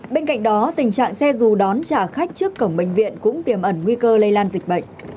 bên cạnh đó tình trạng xe dù đón trả khách trước cổng bệnh viện cũng tiềm ẩn nguy cơ lây lan dịch bệnh